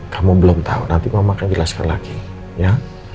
kamu belum tau nanti mama akan jelaskan lagi ya